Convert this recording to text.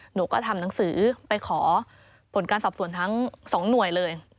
หนูก็ทำหนังสือไปขอผลการสอบสวนทั้ง๒หน่วยเลย